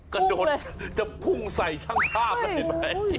กระโดดจะพุ่งใส่ช่างท่าไป